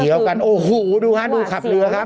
เขียวกันโอ้โฮดูครับดูขับเรือครับ